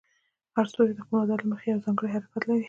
هر ستوری د خپل مدار له مخې یو ځانګړی حرکت لري.